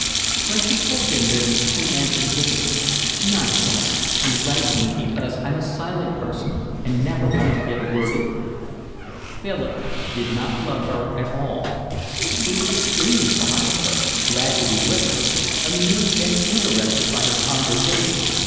When she told him this he answered gaily: "Nonsense. You like me because I'm a silent person and never want to get a word in." Philip did not love her at all. He was extremely fond of her, glad to be with her, amused and interested by her conversation.